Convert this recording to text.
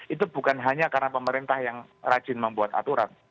itu bukan hanya karena pemerintah yang rajin membuat aturan